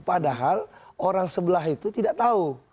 padahal orang sebelah itu tidak tahu